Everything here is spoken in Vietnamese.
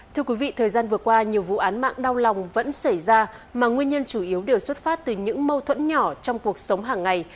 thưa quý vị thời gian vừa qua nhiều vụ án mạng đau lòng vẫn xảy ra mà nguyên nhân chủ yếu đều xuất phát từ những mâu thuẫn nhỏ trong cuộc sống hàng ngày